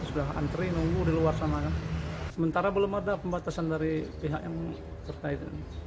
sudah antri nunggu di luar sana sementara belum ada pembatasan dari pihak yang terkait